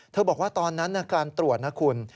บอกว่าตอนนั้นการตรวจนะคุณ